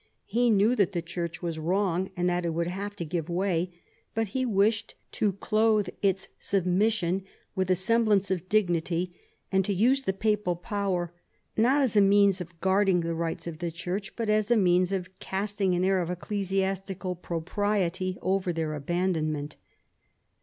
He knewvCp that the Church was wrong, and that it would have to ^ give way, but he wished to clothe its submission with a semblance of dignity, and to use the papal power, not as a means of guarding the rights of the Church, but as a means of casting an air of ecclesiastical propriety over their abandonment.